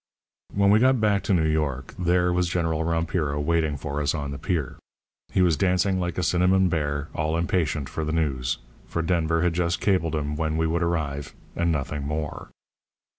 "When we got back to New York there was General Rompiro waiting for us on the pier. He was dancing like a cinnamon bear, all impatient for the news, for Denver had just cabled him when we would arrive and nothing more.